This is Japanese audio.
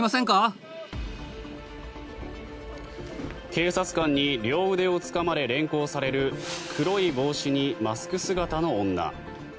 警察官に両腕をつかまれ連行される黒い帽子にマスク姿の女。